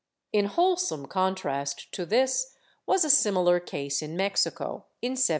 ^ In wholesome contrast to this w\as a similar case in Mexico, in 1794.